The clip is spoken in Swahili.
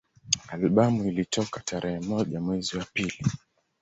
Albamu ilitoka tarehe moja mwezi wa pili